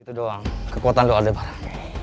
itu doang kekuatan lu ardha farah